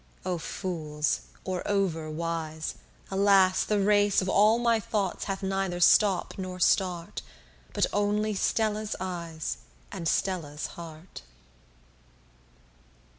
Oh Fools, or over wise, alas the race Of all my thoughts hath neither stop nor start, But only Stella's eyes and Stella's heart.